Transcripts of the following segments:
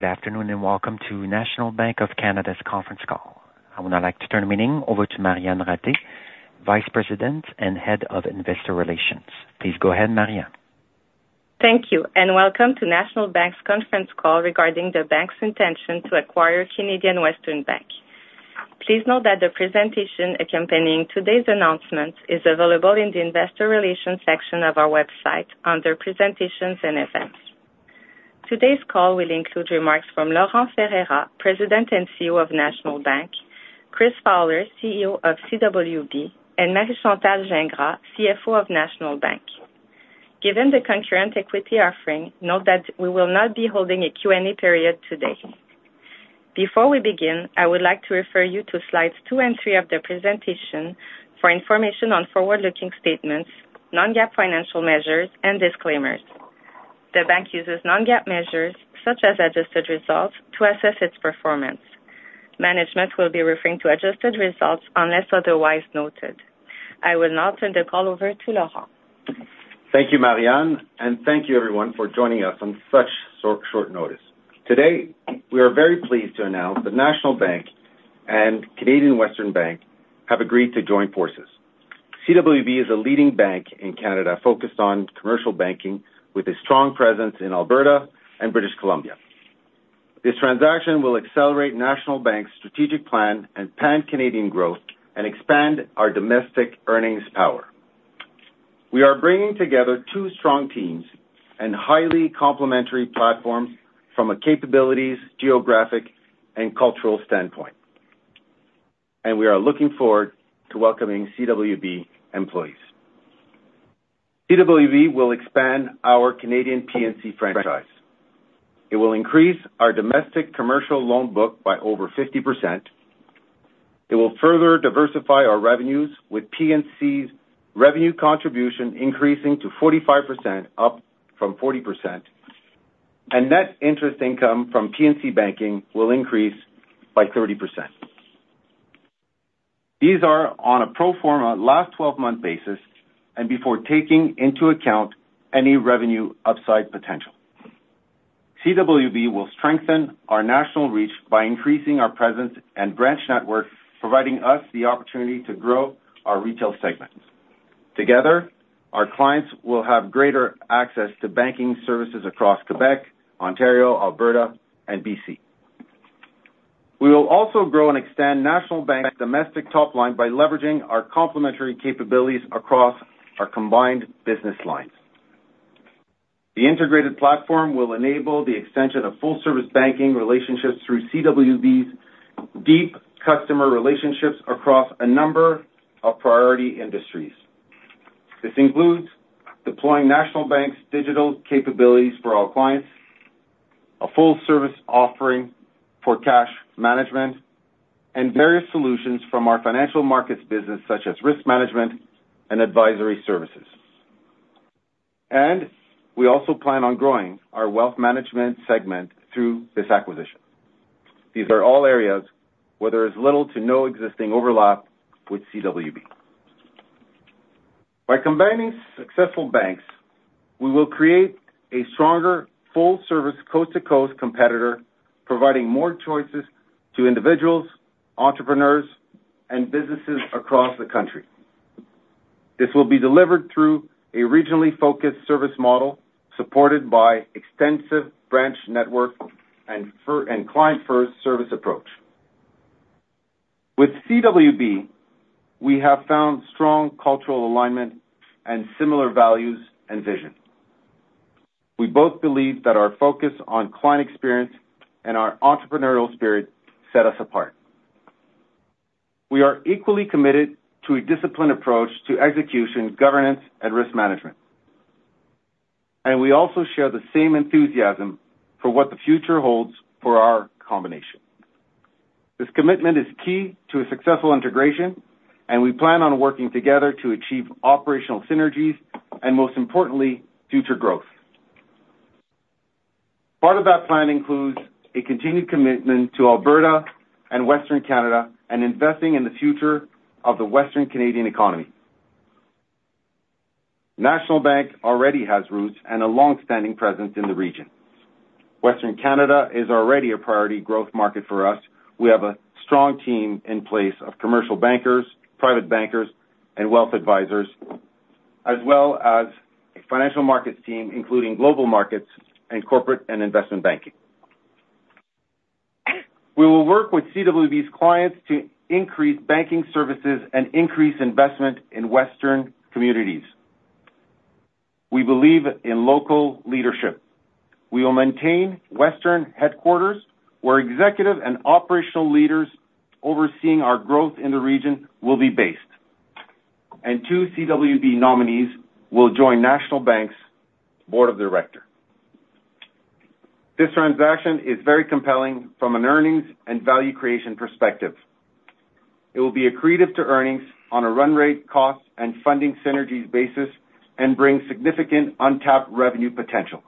Good afternoon, and welcome to National Bank of Canada's conference call. I would now like to turn the meeting over to Marianne Ratté, Vice President and Head of Investor Relations. Please go ahead, Marianne. Thank you, and welcome to National Bank's conference call regarding the bank's intention to acquire Canadian Western Bank. Please note that the presentation accompanying today's announcement is available in the investor relations section of our website under Presentations and Events. Today's call will include remarks from Laurent Ferreira, President and CEO of National Bank, Chris Fowler, CEO of CWB, and Marie-Chantal Gingras, CFO of National Bank. Given the concurrent equity offering, note that we will not be holding a Q&A period today. Before we begin, I would like to refer you to slides two and three of the presentation for information on forward-looking statements, non-GAAP financial measures, and disclaimers. The bank uses non-GAAP measures, such as adjusted results, to assess its performance. Management will be referring to adjusted results unless otherwise noted. I will now turn the call over to Laurent. Thank you, Marianne, and thank you, everyone, for joining us on such short notice. Today, we are very pleased to announce that National Bank and Canadian Western Bank have agreed to join forces. CWB is a leading bank in Canada, focused on commercial banking, with a strong presence in Alberta and British Columbia. This transaction will accelerate National Bank's strategic plan and pan-Canadian growth and expand our domestic earnings power. We are bringing together two strong teams and highly complementary platforms from a capabilities, geographic, and cultural standpoint, and we are looking forward to welcoming CWB employees. CWB will expand our Canadian P&C franchise. It will increase our domestic commercial loan book by over 50%. It will further diversify our revenues, with P&C's revenue contribution increasing to 45%, up from 40%, and net interest income from P&C banking will increase by 30%. These are on a pro forma 12-month basis and before taking into account any revenue upside potential. CWB will strengthen our national reach by increasing our presence and branch network, providing us the opportunity to grow our retail segments. Together, our clients will have greater access to banking services across Quebec, Ontario, Alberta, and BC. We will also grow and extend National Bank's domestic top line by leveraging our complementary capabilities across our combined business lines. The integrated platform will enable the extension of full-service banking relationships through CWB's deep customer relationships across a number of priority industries. This includes deploying National Bank's digital capabilities for all clients, a full-service offering for cash management, and various solutions from our financial markets business, such as risk management and advisory services. We also plan on growing our wealth management segment through this acquisition. These are all areas where there is little to no existing overlap with CWB. By combining successful banks, we will create a stronger, full-service, coast-to-coast competitor, providing more choices to individuals, entrepreneurs, and businesses across the country. This will be delivered through a regionally focused service model, supported by extensive branch network and first and client-first service approach. With CWB, we have found strong cultural alignment and similar values and vision. We both believe that our focus on client experience and our entrepreneurial spirit set us apart. We are equally committed to a disciplined approach to execution, governance, and risk management, and we also share the same enthusiasm for what the future holds for our combination. This commitment is key to a successful integration, and we plan on working together to achieve operational synergies and, most importantly, future growth. Part of that plan includes a continued commitment to Alberta and Western Canada and investing in the future of the Western Canadian economy. National Bank already has roots and a long-standing presence in the region. Western Canada is already a priority growth market for us. We have a strong team in place of commercial bankers, private bankers, and wealth advisors, as well as a financial markets team, including global markets and corporate and investment banking. We will work with CWB's clients to increase banking services and increase investment in Western communities. We believe in local leadership. We will maintain Western headquarters, where executive and operational leaders overseeing our growth in the region will be based, and two CWB nominees will join National Bank's board of directors. This transaction is very compelling from an earnings and value creation perspective. It will be accretive to earnings on a run rate, cost, and funding synergies basis and bring significant untapped revenue potential.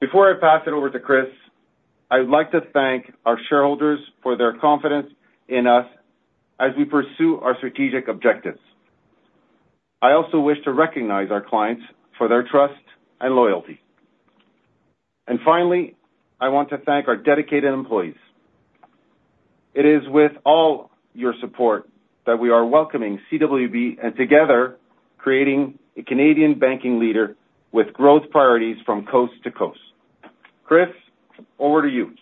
Before I pass it over to Chris, I would like to thank our shareholders for their confidence in us as we pursue our strategic objectives…. I also wish to recognize our clients for their trust and loyalty. And finally, I want to thank our dedicated employees. It is with all your support that we are welcoming CWB, and together, creating a Canadian banking leader with growth priorities from coast to coast. Chris, over to you.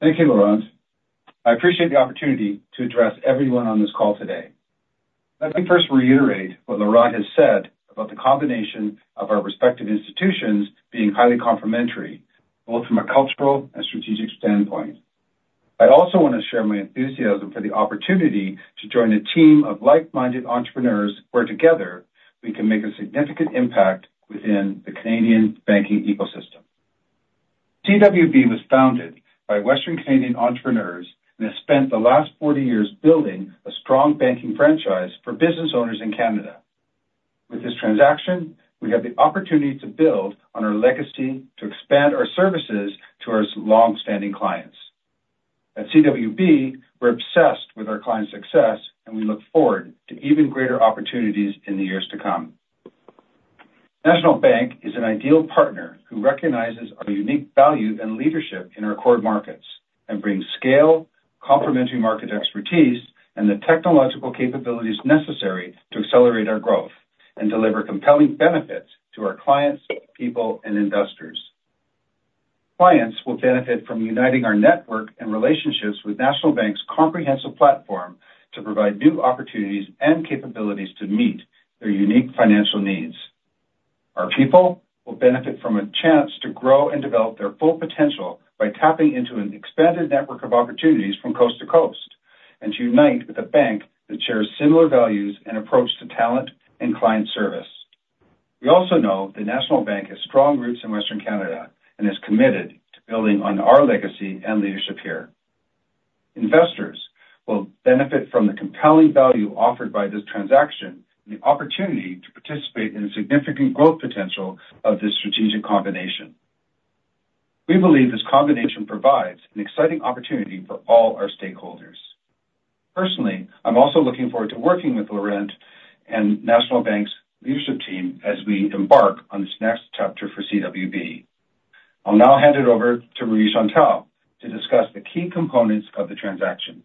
Thank you, Laurent. I appreciate the opportunity to address everyone on this call today. Let me first reiterate what Laurent has said about the combination of our respective institutions being highly complementary, both from a cultural and strategic standpoint. I also want to share my enthusiasm for the opportunity to join a team of like-minded entrepreneurs, where together we can make a significant impact within the Canadian banking ecosystem. CWB was founded by Western Canadian entrepreneurs, and has spent the last 40 years building a strong banking franchise for business owners in Canada. With this transaction, we have the opportunity to build on our legacy to expand our services to our long-standing clients. At CWB, we're obsessed with our clients' success, and we look forward to even greater opportunities in the years to come. National Bank is an ideal partner who recognizes our unique value and leadership in our core markets and brings scale, complementary market expertise, and the technological capabilities necessary to accelerate our growth and deliver compelling benefits to our clients, people, and investors. Clients will benefit from uniting our network and relationships with National Bank's comprehensive platform to provide new opportunities and capabilities to meet their unique financial needs. Our people will benefit from a chance to grow and develop their full potential by tapping into an expanded network of opportunities from coast to coast, and to unite with a bank that shares similar values and approach to talent and client service. We also know that National Bank has strong roots in Western Canada and is committed to building on our legacy and leadership here. Investors will benefit from the compelling value offered by this transaction and the opportunity to participate in the significant growth potential of this strategic combination. We believe this combination provides an exciting opportunity for all our stakeholders. Personally, I'm also looking forward to working with Laurent and National Bank's leadership team as we embark on this next chapter for CWB. I'll now hand it over to Marie-Chantal to discuss the key components of the transaction.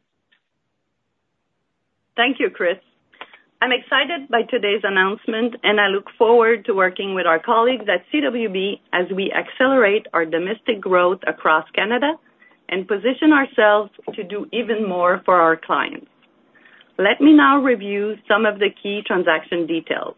Thank you, Chris. I'm excited by today's announcement, and I look forward to working with our colleagues at CWB as we accelerate our domestic growth across Canada and position ourselves to do even more for our clients. Let me now review some of the key transaction details.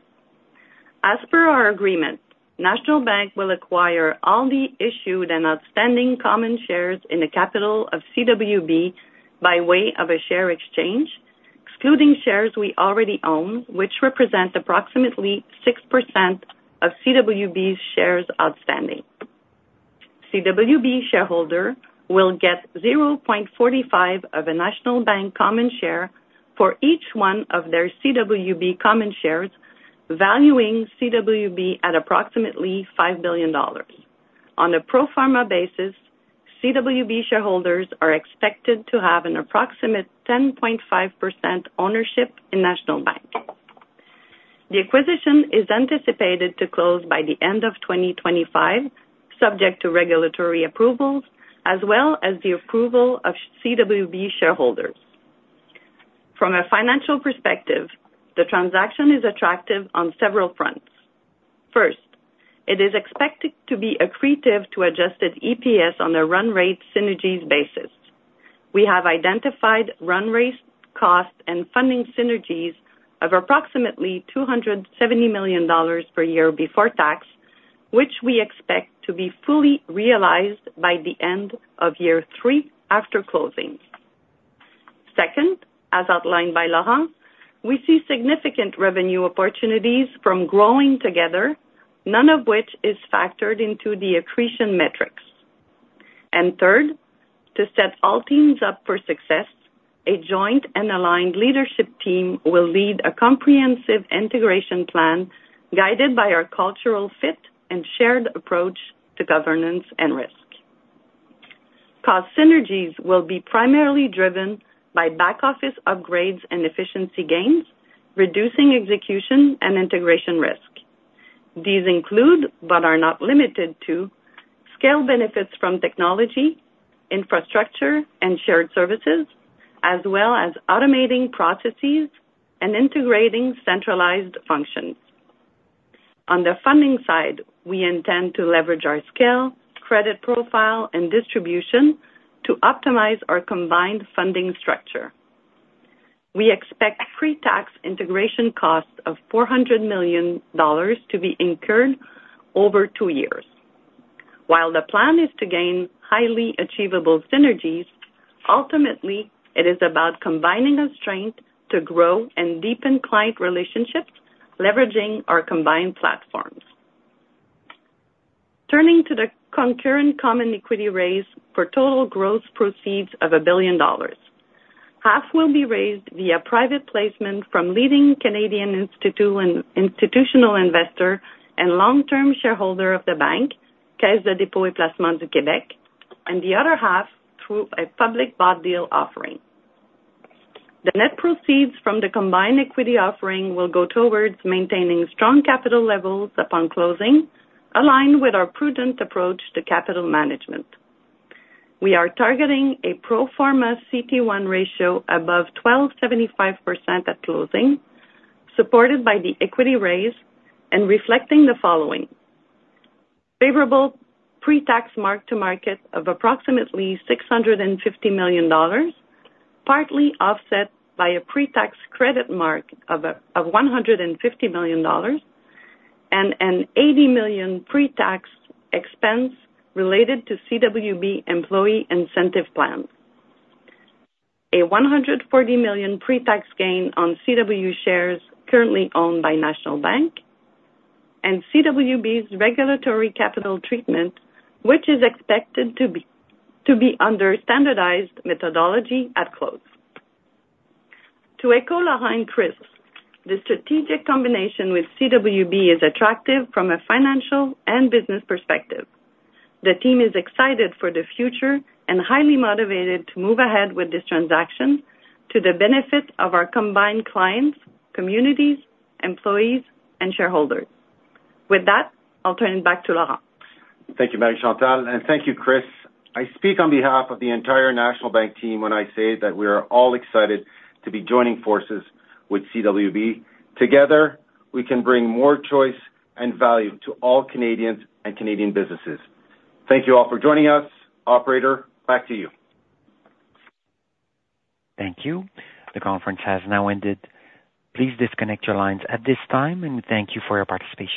As per our agreement, National Bank will acquire all the issued and outstanding common shares in the capital of CWB by way of a share exchange, excluding shares we already own, which represent approximately 6% of CWB's shares outstanding. CWB shareholder will get 0.45 of a National Bank common share for each one of their CWB common shares, valuing CWB at approximately 5 billion dollars. On a pro forma basis, CWB shareholders are expected to have an approximate 10.5% ownership in National Bank. The acquisition is anticipated to close by the end of 2025, subject to regulatory approvals as well as the approval of CWB shareholders. From a financial perspective, the transaction is attractive on several fronts. First, it is expected to be accretive to Adjusted EPS on a run rate synergies basis. We have identified run rate costs and funding synergies of approximately 270 million dollars per year before tax, which we expect to be fully realized by the end of year three after closing. Second, as outlined by Laurent, we see significant revenue opportunities from growing together, none of which is factored into the accretion metrics. And third, to set all teams up for success, a joint and aligned leadership team will lead a comprehensive integration plan, guided by our cultural fit and shared approach to governance and risk. Cost synergies will be primarily driven by back-office upgrades and efficiency gains, reducing execution and integration risk. These include, but are not limited to, scale benefits from technology, infrastructure, and shared services, as well as automating processes and integrating centralized functions. On the funding side, we intend to leverage our scale, credit profile, and distribution to optimize our combined funding structure. We expect pre-tax integration costs of 400 million dollars to be incurred over two years. While the plan is to gain highly achievable synergies, ultimately it is about combining our strength to grow and deepen client relationships, leveraging our combined platforms. Turning to the concurrent common equity raise for total gross proceeds of 1 billion dollars, half will be raised via private placement from leading Canadian institutional investor and long-term shareholder of the bank, Caisse de dépôt et placement du Québec. and the other half through a public bought deal offering. The net proceeds from the combined equity offering will go towards maintaining strong capital levels upon closing, aligned with our prudent approach to capital management. We are targeting a pro forma CET1 ratio above 12.75% at closing, supported by the equity raise and reflecting the following: favorable pre-tax mark-to-market of approximately 650 million dollars, partly offset by a pre-tax credit mark-to-market of 150 million dollars, and an 80 million pre-tax expense related to CWB employee incentive plan. A 140 million pre-tax gain on CWB shares currently owned by National Bank, and CWB's regulatory capital treatment, which is expected to be under standardized methodology at close. To echo Laurent, Chris, the strategic combination with CWB is attractive from a financial and business perspective. The team is excited for the future and highly motivated to move ahead with this transaction to the benefit of our combined clients, communities, employees, and shareholders. With that, I'll turn it back to Laurent. Thank you, Marie-Chantal, and thank you, Chris. I speak on behalf of the entire National Bank team when I say that we are all excited to be joining forces with CWB. Together, we can bring more choice and value to all Canadians and Canadian businesses. Thank you all for joining us. Operator, back to you. Thank you. The conference has now ended. Please disconnect your lines at this time, and thank you for your participation.